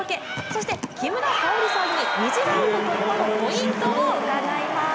そして木村沙織さんに２次ラウンド突破のポイントを伺います。